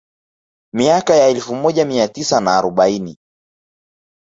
Miaka ya elfu moja mia tisa na arobaini